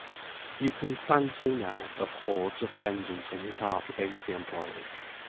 You can fancy, now, the hoards of vengeance in his heart against the employers.